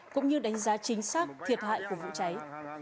cũng như đánh giá chính xác thiệt hại của vụ cháy